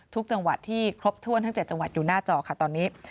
ทุกจังหวัดที่ครบถ้วนทั้ง๗จังหวัดอยู่หน้าจอค่ะตอนนี้